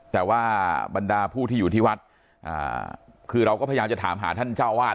แต่ว่าบรรดาผู้ที่อยู่ที่วัดคือเราก็พยายามจะถามหาท่านเจ้าวาด